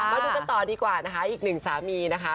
มาดูกันต่อดีกว่านะคะอีกหนึ่งสามีนะคะ